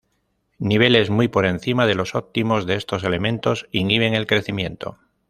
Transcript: Niveles muy por encima de los óptimos de estos elementos inhiben el crecimiento.